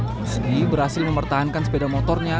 husni berhasil mempertahankan sepeda motornya